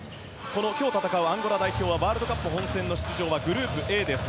今日戦うアンゴラ代表はワールドカップ本戦の出場はグループＡです。